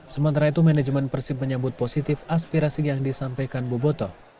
sementara itu manajemen persib menyambut positif aspirasi yang disampaikan boboto